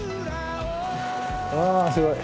あすごい。